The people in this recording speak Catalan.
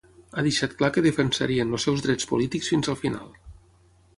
Ha deixat clar que defensarien els seus drets polítics fins al final.